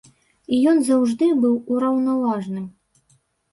І ён заўжды быў ураўнаважаным.